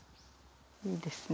いいですね。